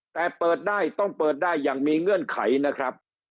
แต่เปิดได้ต้องเปิดได้อย่างมีเงื่อนไขนะครับ